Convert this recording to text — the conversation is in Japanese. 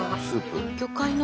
魚介の。